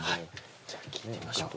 じゃあ聞いてみましょう。